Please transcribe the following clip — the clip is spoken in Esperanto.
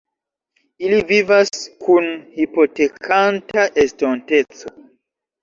Ili vivas kun hipotekanta estonteco.